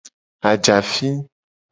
Ajafi.